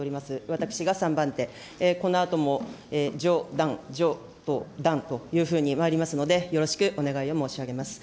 私が３番手、このあとも女、男、女、男というふうにまいりますので、よろしくお願いを申し上げます。